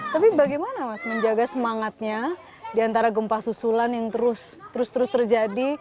tapi bagaimana mas menjaga semangatnya di antara gempa susulan yang terus terus terjadi